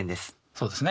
そうですね。